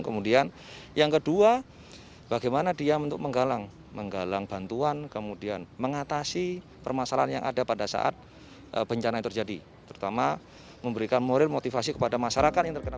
kemudian yang kedua bagaimana dia untuk menggalang menggalang bantuan kemudian mengatasi permasalahan yang ada pada saatnya